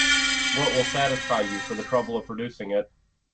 What will satisfy you for the trouble of producing it?